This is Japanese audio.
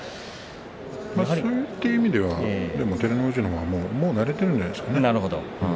そういった意味では照ノ富士のほうがもう慣れているんじゃないでしょうかね。